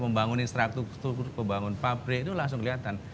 membangun struktur membangun pabrik itu langsung kelihatan